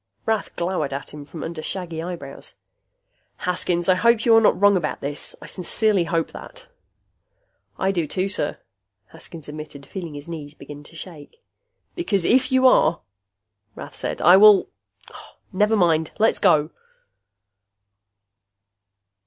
Rath glowered at him from under shaggy eyebrows. "Haskins, I hope you are not wrong about this. I sincerely hope that." "I do too, sir," Haskins admitted, feeling his knees begin to shake. "Because if you are," Rath said, "I will ... Never mind. Let's go!"